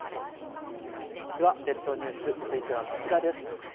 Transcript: では列島ニュース続いてはこちらです。